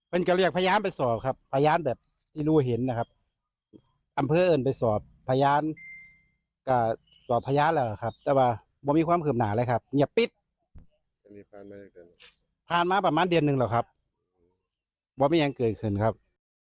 ผ่านมาประมาณเดือนหนึ่งเหรอครับว่าไม่ยังเกิดอีกครั้งครับ